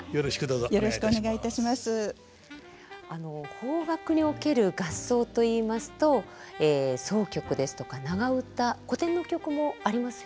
邦楽における合奏といいますと箏曲ですとか長唄古典の曲もありますよね？